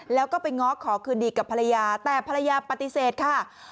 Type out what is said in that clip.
แล้วก็ไปง้อขอคืนดีกับภรรยาแต่ภรรยาปฏิเสธค่ะ